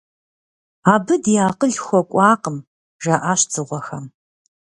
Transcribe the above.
Абы ди акъыл хуэкӏуакъым, - жаӏащ дзыгъуэхэм.